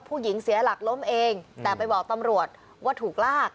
เสียหลักล้มเองแต่ไปบอกตำรวจว่าถูกลาก